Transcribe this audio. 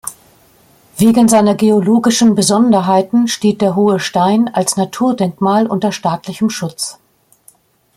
Wegen seiner geologischen Besonderheiten steht der Hohe Stein als Naturdenkmal unter staatlichem Schutz.